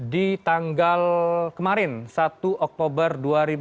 di tanggal kemarin satu oktober dua ribu dua puluh